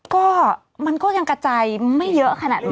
ก็มันก็ยังกระจายไม่เยอะขนาดนั้น